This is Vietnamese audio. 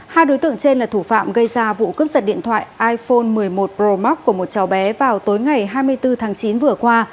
hai đối tượng trên là thủ phạm gây ra vụ cướp giật điện thoại iphone một mươi một pro max của một cháu bé vào tối ngày hai mươi bốn tháng chín vừa qua